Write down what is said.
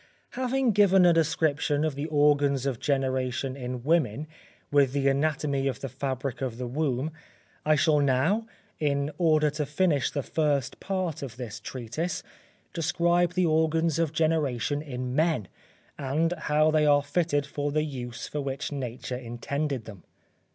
_ Having given a description of the organs of generation in women, with the anatomy of the fabric of the womb, I shall now, in order to finish the first part of this treatise, describe the organs of generation in men, and how they are fitted for the use for which Nature intended them.